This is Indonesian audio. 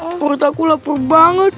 murtaku lapar banget